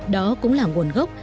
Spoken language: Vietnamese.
đó cũng là nguồn gốc